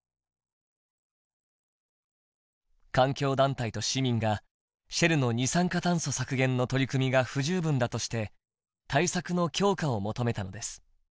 環境団体と市民がシェルの二酸化炭素削減の取り組みが不十分だとして対策の強化を求めたのです。